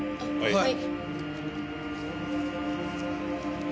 はい。